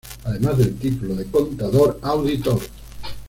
Además del título de Contador Auditor.